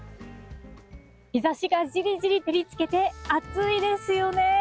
日ざしがじりじり照りつけて、暑いですよね。